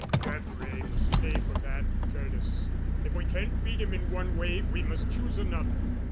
"Jeff Wray must pay for that, Curtis. If we can't beat him in one way we must choose another.